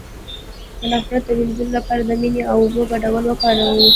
د نفرت د مینځلو لپاره د مینې او اوبو ګډول وکاروئ